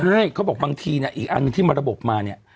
ใช่เขาบอกบางทีเนี่ยอีกอันหนึ่งที่มาระบบมาเนี่ย